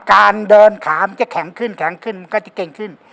การเดินขามันจะแข็งขึ้นแข็งขึ้นมันก็จะเก่งขึ้น